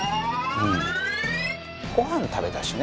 「ご飯食べたしね」